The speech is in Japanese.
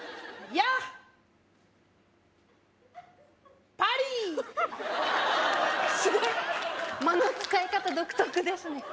やっぱりすごい間の使い方独特ですね